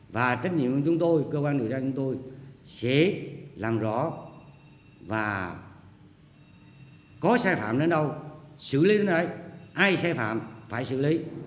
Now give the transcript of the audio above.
và trách nhiệm của chúng tôi cơ quan điều tra chúng tôi sẽ làm rõ và có sai phạm đến đâu xử lý ai sai phạm phải xử lý